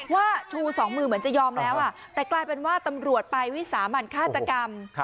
ว่าชูสองมือเหมือนจะยอมแล้วแต่กลายเป็นว่าตำรวจไปวิสามันฆาตกรรม